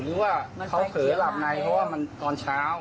หรือว่าเขาเผลอหลับในเพราะว่ามันตอนเช้า